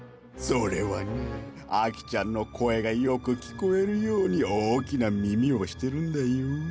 それはねアキちゃんの声がよく聞こえるように大きな耳をしてるんだよ。